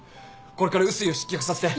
これから碓井を失脚させて。